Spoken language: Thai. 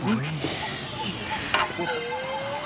วีคพร้อมไม่ได้